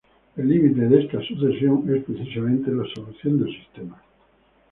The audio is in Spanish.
El límite de esta sucesión es precisamente la solución del sistema.